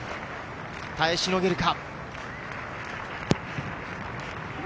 耐えしのげるか。